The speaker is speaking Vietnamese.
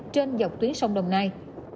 trên dọc tuyến sông đồng nai